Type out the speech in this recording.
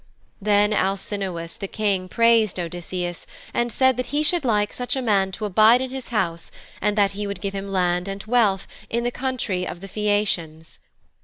Then Alcinous, the King, praised Odysseus and said that he should like such a man to abide in his house and that he would give him land and wealth, in the country of the Phæacians.